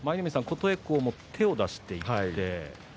琴恵光も手を出していって。